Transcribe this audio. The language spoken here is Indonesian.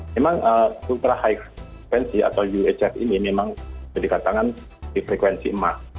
memang ultra high frequency atau uhf ini memang berdekatan dengan frekuensi emas